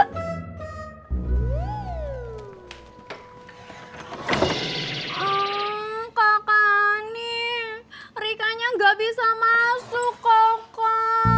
kakak ani rika nya gak bisa masuk koko